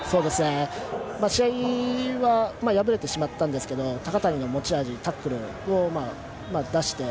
試合は敗れてしまったんですけど高谷の持ち味、タックルを出して。